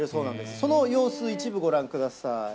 その様子、一部ご覧ください。